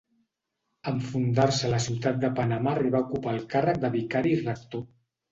En fundar-se la ciutat de Panamà arribà a ocupar el càrrec de vicari i rector.